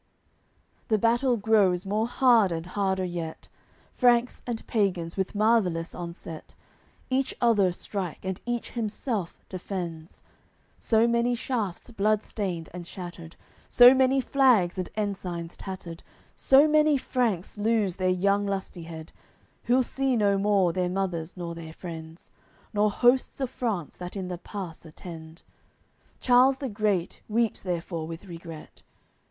CIX The battle grows more hard and harder yet, Franks and pagans, with marvellous onset, Each other strike and each himself defends. So many shafts bloodstained and shattered, So many flags and ensigns tattered; So many Franks lose their young lustihead, Who'll see no more their mothers nor their friends, Nor hosts of France, that in the pass attend. Charles the Great weeps therefor with regret.